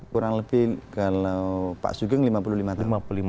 kurang lebih kalau pak sugeng lima puluh lima tahun